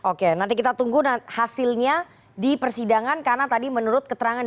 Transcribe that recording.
oke nanti kita tunggu hasilnya di persidangan karena tadi menurut keterangan